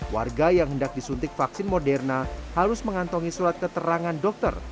warga yang hendak disuntik vaksin moderna harus mengantongi surat keterangan dokter